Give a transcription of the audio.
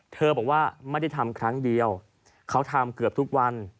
บอกว่าไม่ได้ทำครั้งเดียวเขาทำเกือบทุกวัน